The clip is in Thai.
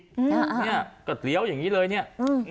เนี่ยก็เลี้ยวอย่างนี้เลยเนี่ย